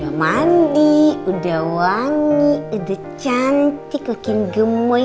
udah mandi udah wangi udah cantik mungkin gemoy